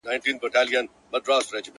• گراني شاعري زه هم داسي يمه.